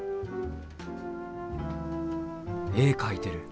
絵描いてる。